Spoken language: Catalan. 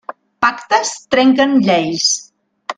Pactes trenquen lleis.